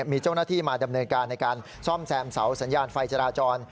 มีเจ้าหน้าที่มาดำเนินการในการซ่อมแซมเสาสัญญาณไฟจราจร